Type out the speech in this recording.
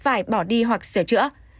phải bỏ đi hoặc sửa chữa